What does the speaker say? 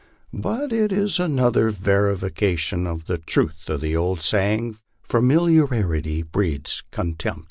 It is but another verifica tion of the truth of the old saying, " Familiarity breeds contempt."